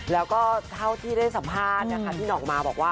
แล้วก็เท่าที่ได้สัมภาษณ์นะคะพี่หน่องมาบอกว่า